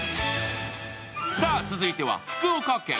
続いては福岡県。